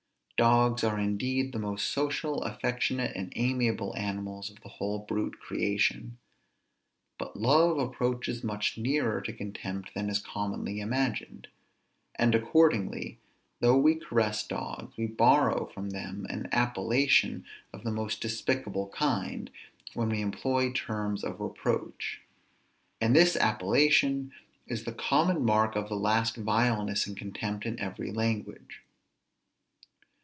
Dogs are indeed the most social, affectionate, and amiable animals of the whole brute creation; but love approaches much nearer to contempt than is commonly imagined; and accordingly, though we caress dogs, we borrow from them an appellation of the most despicable kind, when we employ terms of reproach; and this appellation is the common mark of the last vileness and contempt in every language.